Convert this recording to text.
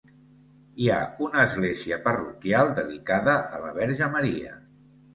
Hi ha una església parroquial dedicada a la Verge Maria.